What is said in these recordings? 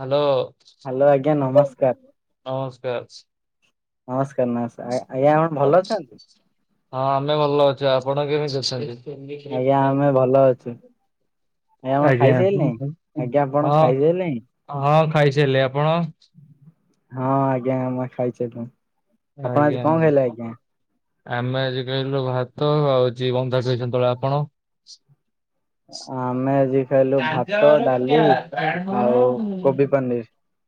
Hello hello ଆଜ୍ଞା ନମସ୍କାର ନମସ୍କାର। ନମସ୍କାର ନମସ୍କାର ଆ ଆଜ୍ଞା ଆପଣ ଭଲ ଅଛନ୍ତି? ହଁ ଆମେ ଭଲ ଅଛୁ ଆପଣ କେମିତି ଅଛନ୍ତି? ଆଜ୍ଞା ଆମେ ଭଲ ଅଛୁ। ଆଜ୍ଞା ଆପଣ ଖାଇସାଇଲେଣି ଆଜ୍ଞା ଆପଣ ହଁ ଖାଇସାଇଲେଣି। ହଁ ଖାଇସାଇଲିଣି ଆପଣ? ହଁ ଆଜ୍ଞା ମୁଁ ଖାଇସାରିଲିଣି ଆପଣ ଆଜ୍ଞା। ଆଜି କଣ ଖାଇଲେ ଆଜ୍ଞା। ଆମେ ଆଜି ଖାଇଲୁ ଭାତ ହୋଉଛି ବନ୍ଧାକୋବି ସନ୍ତୁଳା ଆପଣ? ଆମେ ଆଜି ଖାଇଲୁ ଭାତ ଡାଲି ଆଉ କୋବି ପନିର [unintelligible]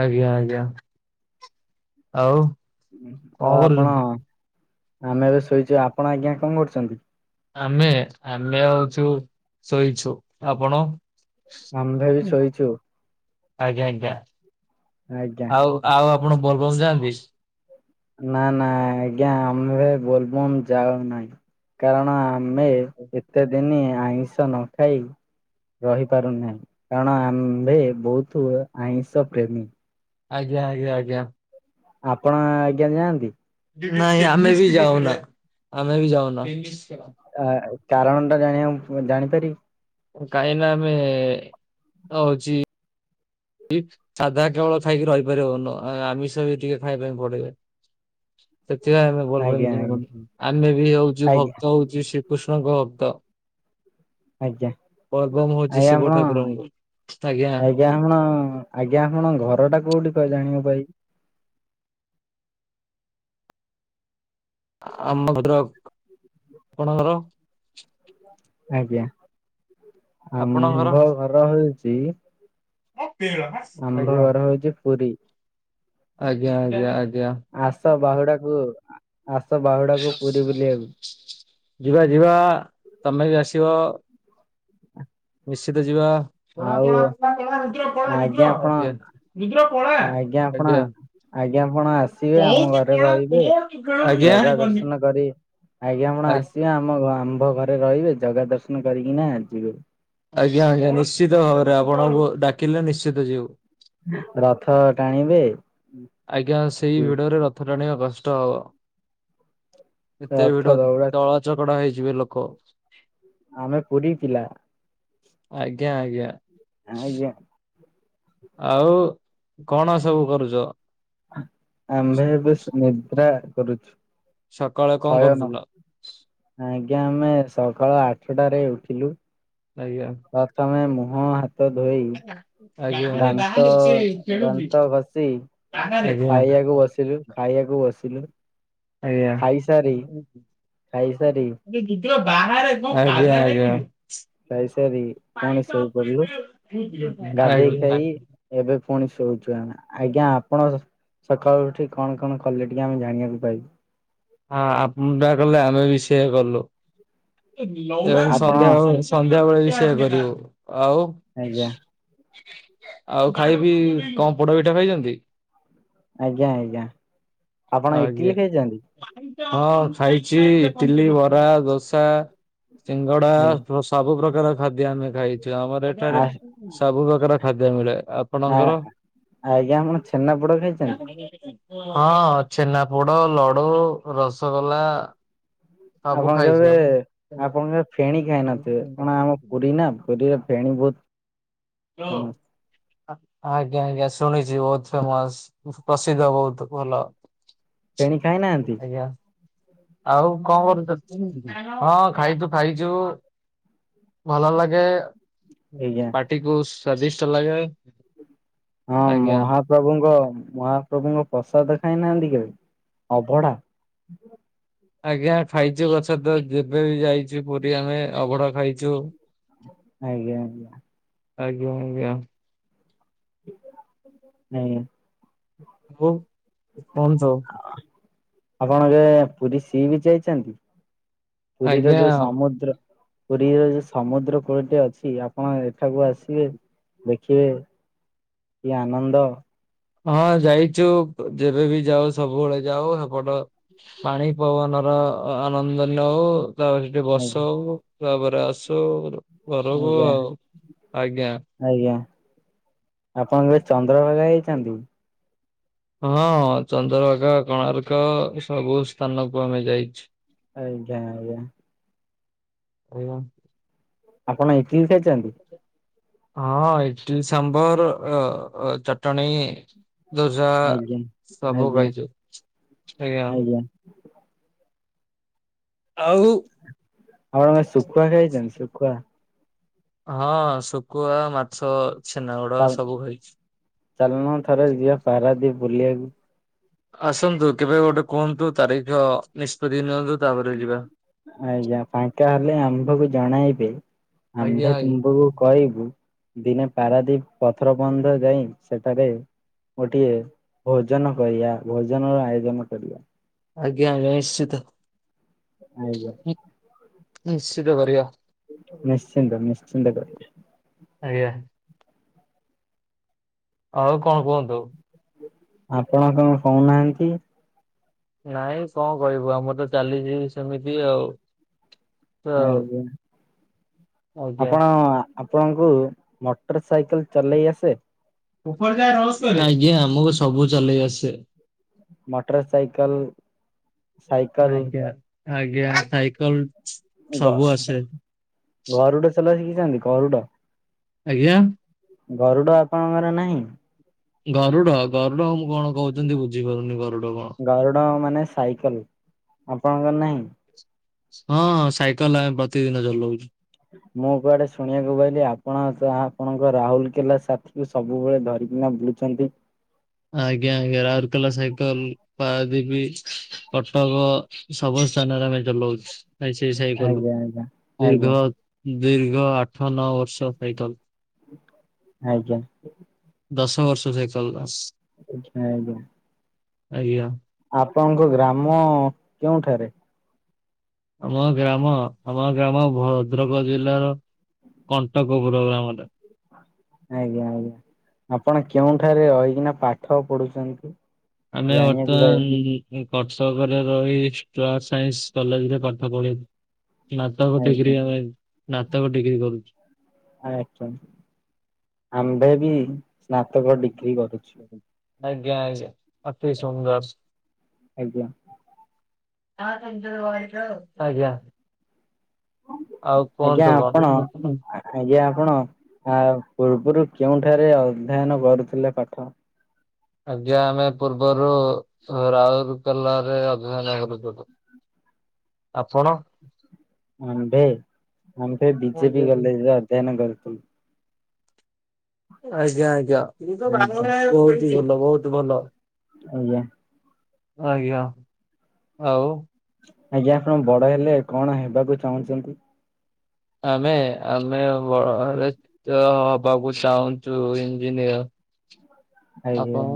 ଆଜ୍ଞା ଆଜ୍ଞା। ଆଉ କଣ ଆଉ ଆପଣ କରୁଛନ୍ତି? ଆମେ ଏବେ ଶୋଇଚୁ ଆପଣ ଆଜ୍ଞା କଣ କରୁଚନ୍ତି? ଆମେ ଆମେ ଆଉଛୁ ଶୋଇଛୁ ଆପଣ? ଆମ୍ଭେ ବି ଶୋଇଛୁ। ଆଜ୍ଞା ଆଜ୍ଞା ଆଜ୍ଞା। ଆଉ ଆଉ ଆପଣ ଭଲବମ୍ ଯାଆନ୍ତି? ନା ନା ଆଜ୍ଞା ଆମ ଭାଇ ବବ ଯାାଉ ନାଇଁ କାରଣ ଆମେ ଏତେ ଦିନ ଆଇଁଷ ନ ଖାଇ ରହି ପାରୁନାହିଁ କାରଣ ଆମ୍ଭେ ବହୁତ ଆଇଁଷ ପ୍ରେମୀ ଆଜ୍ଞା ଆଜ୍ଞା ଆଜ୍ଞା ଆପଣ ଆଜ୍ଞା ଯାଆନ୍ତି ନାଇଁ ଆମେ ବି ଯାଉନା ଆମେ ବି ଯାଉନା ଆ କାରଣ ଟା ଜାଣିବା ଜାଣିପାରିବି କାହିଁ ନା ଆମେ ହଉଛି କି ସାଧା କେବଳ ଖାଇକି ରହିପାରିବନ ଆମିଷ ବି ଟିକେ ଖାଇବା ପାଇଁ ପଡିବେ ସେଥିପାଇଁ ଆମେ ଭଲପ ଆଜ୍ଞା ଆମେ ବି ହଉଛୁ ଆଜ୍ଞା ଭକ୍ତ ହଉଛୁ ଶ କୃଷ୍ଣଙ୍କହତ ଆଜ୍ଞା ଆଜ୍ଞା ପର୍ବମ ହଉଛି ଆଜ୍ଞା ଶିବ ଠାକୁରଙ୍କୁ ଆଜ୍ଞା ଆପଣ ଆଜ୍ଞା ଆପଣ ଘର ଟା କୋଉଠି କହିଲେ ଜାଣିବ ଭ ଆମ ଘର ଆପଣଙ୍କର ଆଜ୍ଞା ଆପଣଙ୍କର? ଆମ୍ଭ ଘର ହଉଛି ଆମ୍ଭ ଆଜ୍ଞା ଘର ହଉଛି ପୁରୀ ଆଜ୍ଞା ଆଜ୍ଞା ଆଜ୍ଞା ଆସ ବାହୁଡାକୁ ଆସ ବା ଯିବା ଯିବା ତମେ ବି ଆସିବ ନିଶ୍ଚିତ ଯିବା ଆଉ ଆଜ୍ଞା ଆଜ୍ଞା ଆପଣ ଆଜ୍ଞାପଣ ଆସିବେ ଆମ କହୁଛି ଘରେ ପଳା ରହିବେ କୋଉଠି ଖେଳୁଛୁ ମୁଁ ଜଗା ଜାଣିପାରୁନି। ଦର୍ଶନ କରି ଆଜ୍ଞା ଆପଣ ଆସିବେ ଆମ ଆମ୍ଭ ଘରେ ରହିବେ ଜଗା ଦର୍ଶନ କରିକି ନା ଯିବେ ଆଜ୍ଞା ଆଜ୍ଞା ନିଶ୍ଚିତ ଭାବରେ ଆପଣଙ୍କୁ ଡାକିଲେ ନିଶ୍ଚିତ ଯିବୁ ରଥ ଟାଣିବେ ଆଜ୍ଞା ସେଇ ଭିଡରେ ରଥ ଟାଣିବା କଷ୍ଟ ହବ ଏତେ ରଥ ଭିଡ ନାହି ଦୌଡା ତଳ ଚକଡା ହେଇଯିବେ ଲୋକ ଆମେ ପୁରୀ ଥିଲା ଆଜ୍ଞା ଆଜ୍ଞା ଆଜ୍ଞା ଆଉ କଣ ସବୁ କରୁଛ ଆମ୍ଭେ ବେଶ ନିଦ୍ରା କରୁଛୁ ସକାଳେ କଣ ଶୟନ। କରୁଥିଲା ଆଜ୍ଞା ଆମେ ସକାଳ ଆଠଟାରେ ଉଠିଲୁ ଆଜ୍ଞା ତମେ ମୁହଁ ହାତ ଦାନ୍ତ ଧୋଇ ଆଜ୍ଞା ଦାନ୍ତ ଦାନ୍ତ ଘଷ କରେ ଖାଇବାକୁ ବସିଲୁ ଖାଇସାରି ଖାଇସାରି ଆଜ୍ଞା ଖାଇସାରି ପୁଣି ଶୋଇପଡିଲୁ। ଗାଧେଇ ଖାଇ ପାଣି ଏବେ ପୁଣି ଶୋଉଚୁ ଏନା ଆଜ୍ଞା ଆପଣ ସକାଳୁ ଉଠି କଣ କଣ କଲେ ଟିକେ ଆମେ ଜାଣିବାକୁ ପାଇବୁ ହଁ ଆପଣ ଟା କଲେ ଆମେ ବି ସେଆ କଲୁ ଏବଂ ଆପଣ ସନ୍ଧ୍ୟା ହୋଉ ସନ୍ଧ୍ୟାବେଳେ ବି ସେଆ କରିବୁ ଆଉ ଆଜ୍ଞା। ଆଉ ଖାଇବି ଙ୍କ ପୋଡା ପିଠା ଖାଇଚନ୍ତି? ଆଜ୍ଞା ଆଜ୍ଞା। ଆପଣ ଆଜ୍ଞା ଇଟିଲି ଖାଇଛନ୍ତି ହଁ ଖାଇଚି ଇଟିଲି ବରା ଦୋସା ସିଙ୍ଗଡା ବ୍ ସବୁ ପ୍ରକାର ଖାଦ୍ୟ ଆମେ ଖାଇଚୁ ଆମର ଆ ଏଠାରେ ସବୁ ପ୍ରକାର ଖାଦ୍ୟ ମିଳେ ଆ ଆ ଆଜ୍ଞା ଆପଣ ଛେନା ପୋଡ ଖାଇଚନ୍ତି [inaudible] ହଁ ଛେନାପୋଡ ଲଡୁ ରସଗୋଲା ସବୁ ଆପଣ ଖାଇଛି କେବେ ଆଉ। ଆପଣ କେବେ ଫେଣୀ ଖାଇନଥିବେ କଣ ଆମ ପୁରୀ ନା ପୁରୀରେ ଫେଣି ବୋହୁତ ହାଲୋ। ଆଜ୍ଞା ଆଜ୍ଞା ଶୁଣିଚି ବୋହୁତ ଫେମସ୍ ପ୍ରସିଦ୍ଧ ବୋହୁତ୍ ଭଲ। ଫେଣି ଖାଇନାହାନ୍ତି? ଆଜ୍ଞା ଆଉ ଙ୍କ କରୁଚନ୍ତି ହଁ ଖାଇଚୁ ଖାଇଚୁ। ଭଲ ଲାଗେ ଆଜ୍ଞା ପାଟି କୁ ସ୍ଵାଦିଷ୍ଟ ଲାଗେ। ଆଜ୍ଞା। ପ୍ରଭୁଙ୍କ ମହାପ୍ରଭୁଙ୍କ ପ୍ରସାଦ ଖାଇନାହାନ୍ତି କେବେ ଅଭଢା। ଆଜ୍ଞା ଖାଇଚୁ ଗଛ ତ ଯେବେ ବି ଯାଇଚୁ ପୁରୀ ଆମେ ଅବଢା ଖାଇଚୁ। ଆଜ୍ଞା ଆଜ୍ଞା। ଆଜ୍ଞା ଆଜ୍ଞା। ହୁଁ। ହଉ କୁହନ୍ତୁ। ଆପଣ କେବେ ପୁରୀ ସି ବିଚ୍ ଯାଇଚନ୍ତି ପୁରୀର ଆଜ୍ଞା। ଯୋଉ ସମୁଦ୍ର ପୁରୀଅ ଯଉ ସମୁଦ୍ର କୂଳଟି ଅଛି ଆପଣ ଏଠାକୁ ଆସିବେ ଦେଖିବେ କି ଆନନ୍ଦ। ହଁ ଯାଇଚୁ ଯେବେ ବି ଯାଉ ସବୁବେଳେ ଯାଉ ହେପଟ ପାଣି ପବନର ଆନନ୍ଦ ନଉ। ତାପରେ ସେଠି ଆଜ୍ଞା ବସଉ ତାପରେ ଆସୁ ଘରକୁୁ ଆଜ୍ଞା ଆଉ ଆଜ୍ଞା। ଆଜ୍ଞା ଆପଣ କେବେ ଚନ୍ଦ୍ରଭାଗା ଯାଇଚନ୍ତି? ହଁ ଚନ୍ଦ୍ରଭାଗା କୋଣାର୍କ ସବୁ ସ୍ଥାନକୁ ଆମେ ଯାଇଚୁ। ଆଜ୍ଞା ଆଜ୍ଞା। ଆଜ୍ଞା। ଆପଣ ଇଟିଲି ଖାଇଚନ୍ତି। ହଁ ଇଟଲି ସାମ୍ବର୍ ଅ ଅ ଚଟଣି ଦୋସା ଆଜ୍ଞା ସବୁ ଆଜ୍ଞା ଖାଇଚୁ ଆଜ୍ଞା। ଆଉ ଆପଣ ଆ ଶୁଖୁଆ ଖାଇଚନ୍ତି ଶୁଖୁଆ ହଁ ଶୁକୁଆ ମାଛ ଛେନାଗଡ ସବୁ ଖାଇଚି। ଚାଲୁନ ଥରେ ଯିଆ ପାରାଦୀପ୍ ବୁଲିଆକୁ। ଆସନ୍ତୁ କେବେ ଗୋଟେ କୁହନ୍ତୁ ତାରିଖ ନିଷ୍ପତ୍ତି ନିଅନ୍ତୁ ତାପରେ ଯିବା। ଆଜ୍ଞା ଫାଙ୍କା ହେଲେ ଆମପାଖକୁ ଜଣାଇବେ। ଆଜ୍ଞା ଆମ୍ଭେ ଆଜ୍ଞା ତୁମ୍ବକୁ କହିବୁ। ଦିନେ ପାରାଦୀପ ପଥର ବନ୍ଧ ଯାଇ ସେଠାରେ ଗୋଟିଏ ଭୋଜନ କରିଆ ଭୋଜନର ଆୟୋଜନ କରିବା। ଆଜ୍ଞା ଆଜ୍ଞା ନିଶ୍ଚିତ। ଆଜ୍ଞା। ନିଶ୍ଚିତ କରିବା। ନିଶ୍ଚିନ୍ତ ନିଶ୍ଚିନ୍ତ କରିବା। ଆଜ୍ଞା। ଆଉ କଅଁ କୁହନ୍ତୁ? ଆପଣ କଣ କହୁନାହାନ୍ତି। ନାଇଁ କଅଁ କହିବୁ ଆମର ତ ଚାଲିଚି ସେମିତି ଆଉ। ତ ଆଜ୍ଞା ଆଜ୍ଞା। ଆପଣ ଆପଣଙ୍କୁ ମୋଟର ସାଇକେଲ ଚଲେଇ ଆସେ? ଆଜ୍ଞା ଆମକୁ ସବୁ ଚଲେଇ ଆସେ। ମୋଟର ସାଇକଲ ଆଜ୍ଞା ଆଜ୍ଞା ସାଇକଲ ସବୁ ଆସେ ଘରୁଡ ଚଲା ଶିଖିଚନ୍ତି ଘରୁଟ, ଆଜ୍ଞା। ଗରୁଡ ଆପଣଙ୍କର ନାହିଁ। ଗରୁଡ ଗରୁଡା, ମଁ କଣ କହୁଛନ୍ତି ବୁଝିପାରୁନି ଗରୁଡ କଣ। ଗରୁଡ ମାନେ ସାଇକେଲ ଆପଣଙ୍କର ନାହିଁ? ହଁ ସାଇକେଲ ଆମେ ପ୍ରତିଦିନ ଚଲଉଚୁ। ମୁଁ କୁଆଡେ ଶୁଣିବାକୁ ପାଇଲିି ଆପଣହା ଆପଣଙ୍କ ରାହୁଲ କଲା ସାଥିକୁ ସବୁବେଳେ ଧରିକିନା ବୁଲୁଚନ୍ତି। ଆଜ୍ଞା ଆଜ୍ଞା ରାଉରକେଲା ସାଇକେଲ ପାରାଦୀବୀ କଟକ ସବୁ ସ୍ଥାନରେ ଆମେ ଚଲଉଛୁ ସେଇ ସାଇ କଲୁ ଆଜ୍ଞା ଆଜ୍ଞା ଦୀର୍ଘ ଆଜ୍ଞା ଦୀର୍ଘ ଆଠ ନଅ ବର୍ଷ ସଇକଲ। ଆଜ୍ଞା। ଦଶ ବର୍ଷ ସାଇକଲେ ବାସ୍। ଆଛା ଆଜ୍ଞା। ଆଜ୍ଞା। ଆପଣଙ୍କ ଗ୍ରାମ କେଉଁଠାରେ? ଆମ ଗ୍ରାମ ଆମ ଗ୍ରାମ ଭଦ୍ରକ ଜିଲ୍ଲାର କଣ୍ଟକ ପୁରୋଗ୍ରାମରେ ଆଜ୍ଞା ଆଜ୍ଞା। ଆପଣ କେଉଁଠାରେ ରହିକିନା ପାଠ ପଢୁଚନ୍ତି? ଆମେ ବର୍ତ୍ତମାନ ମୁଁ କଟକରେ ରହି ପ୍ଲସ୍ ସାଇନ୍ସ କଲେଜରେ ପାଠ ପଢ଼ିବି। ନାତାକ ପାଇ ଆଜ୍ଞା। ଡିଗ୍ରୀ ଆମେ ନାତାକ ଡିଗ୍ରୀ କରୁଛୁ। ଛା ଆମ୍ଭେ ବି ସ୍ନାତକ ଡିଗ୍ରୀ କରୁଛୁ। ଆଜ୍ଞା ଆଜ୍ଞା ଅତି ସୁନ୍ଦରସ୍। ଆଜ୍ଞା। ନ ହେଲେ ନିଜର, [unintelligible] ଆଜ୍ଞା। ଆଉ ଆଜ୍ଞା କୁହନ୍ତୁ କଣ? ଆପଣ ଆଜ୍ଞା ଆପଣ ଆ ପୂର୍ବରୁ କେଉଁଠାରେ ଅଧ୍ୟୟନ କରୁଥିଲେ ପାଠ? ଆଜ୍ଞା ଆମେ ପୂର୍ବରୁ ରାଉରକେଲା ରେ ଅଧୟନ କରୁଥିଲୁ। ଆପଣ? ଆମ୍ଭେ ଆମ୍ଭେ ବିଜେପି ଆଜ୍ଞା କଲେଜ ରେ ଅଧ୍ୟୟନ କରୁଥିଲୁ। ଆଜ୍ଞା ଆଜ୍ଞା। ବହୁତ ଆଜ୍ଞା ଭଲ ବହୁତ ଭଲ। ଆଜ୍ଞା। ଆଜ୍ଞା ଆଉ ଆଜ୍ଞା ଆପଣ ବଡ ହେଲେ କଣ ହେବାକୁ ଚାହୁଁଛନ୍ତି? ଆମେ ଆମେ ବ ହବାକୁ ଚାହୁଁଛୁ ଇଞ୍ଜିନିୟର। ଆଜ୍ଞା ଆପଣ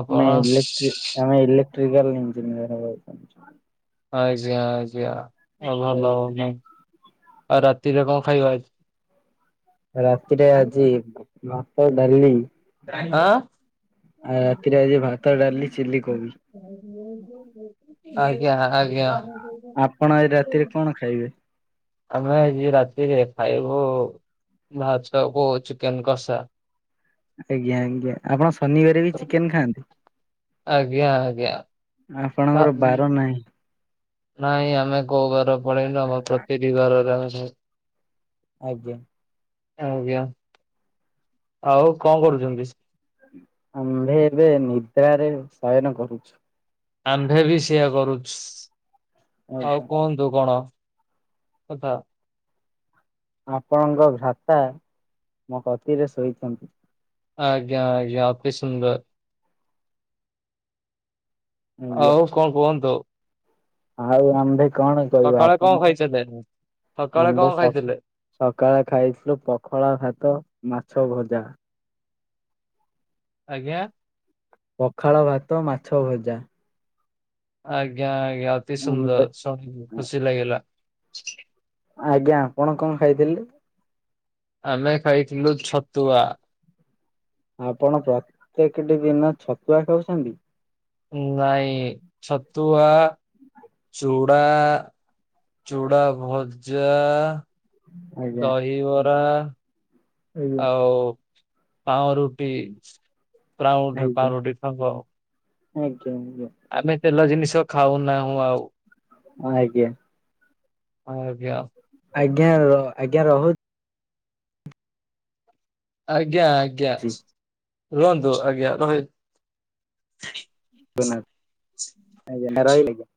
ଆପଣ ନାଇଁ ଇଲେକ୍ଟ୍ରି। ଆମେ ଇଲେକ୍ଟ୍ରିକାଲ୍ ଇଞ୍ଜିନିୟର ହବାକୁ ଚାହୁଁଚୁ। ଆଜ୍ଞା ଆଜ୍ଞା ଆଉ ଭଲ ହ ଆଉ ରାତିରେ କଣ ଖାଇବା ଆ ରାତିରେ ଆଜି ଭାତ ଡାଲି। ଆଁ। ଆଉ ରାତିରେ ଆଜି ଭାତ ଡାଲି। ଚିଲି କୋବି। ଆଜ୍ଞା ଆଜ୍ଞା। ଆପଣ ଆଜି ରାତିରେ କଣ ଖାଇବେ? ଆମେ ଆଜି ରାତିରେ ଖାଇବୁ ଭାତ କୁ ଚିକେନ କଷା। ଆଜ୍ଞା ଆଜ୍ଞା ଆପଣ ଶନିବାରେ ବି ଚିକେନ ଖାଆନ୍ତି। ଆଜ୍ଞା ଆପଣଙ୍କର ଆଜ୍ଞା। ବାର ନାହିଁ। ନାଇଁ ଆମେ କୋଉ ଘରେ ପଳେଇଲୁ ଆମ ପ୍ରତିଟି ବାରରେ ଆମେ ଆଜ୍ଞା। ଆଜ୍ଞା ଆଉ କଣ କରୁଛନ୍ତି? ଆମ୍ଭେ ଏବେ ନିଦ୍ରାରେ ଶୟନ କରୁଛୁ। ଆମ୍ଭେ ବି ସେଇଆ କରୁଛୁ ଆଉ ଆଜ୍ଞା। କଣ ତୁ କଣ କଥା। ଆପଣଙ୍କ ଭ୍ରାତା ମୋ କତିରେ ଶୋଇଚନ୍ତି। ଆଜ୍ଞା ଆଜ୍ଞା ଅତି ସୁନ୍ଦର। ଆଜ୍ଞା। ଆଉ କଣ କୁହନ୍ତୁ? ଆଉ ଆମ୍ଭେ କଣ କରିବା ସକାଳେ କଣ ଆପଣ ଖାଇଥିଲେ? ସକାଳେ ଆମ୍ଭେ କଣ ସ ଖାଇଥିଲେ? ସକାଳେ ଖାଇଥିଲୁ ପଖଳା ଭାତ ମାଛ ଭଜା। ଆଜ୍ଞା। ପଖାଳ ଭାତ ମାଛ ଭଜା। ଆଜ୍ଞା ଆଜ୍ଞା ଅତି ସୁନ୍ଦର ସୁଣି ଖୁସି ଲାଗିଲା। ଆଜ୍ଞା ଆପଣ କଣ ଖାଇଥିଲେ? ଆମେ ଖାଇଥିଲୁ ଛତୁଆ। ଆପଣ ପ୍ରତ୍ୟେକଟି ଦିନ ଛତୁଆ ଖାଉଛନ୍ତି। ନାଇଁ ଛତୁଆ ଚୁଡ଼ା। ଚୁଡ଼ା ଭଜା। ଆଜ୍ଞା। ଦହିବରା ଆଜ୍ଞା ଆଉ ପାଉଁ ରୁଟି ପାଉଁ ରଟି ପାରୁ ରୁଟି ଖାବ। ଆଜ୍ଞା ଆଜ୍ଞା। ଆମେ ତେଲ ଜିନିଷ ଖାଉନାହୁଁ ଆଉ। ହଁ ଆଜ୍ଞା। ଆଜ୍ଞା। ଆଜ୍ଞା ର ଆଜ୍ଞା ରହୁ ଆଜ୍ଞା, ଆଜ୍ଞା ରୁହନ୍ତୁ ଆଜ୍ଞା ରହି [unintelligible] ଆଜ୍ଞା ନା ରହିଲି ଆଜ୍ଞା।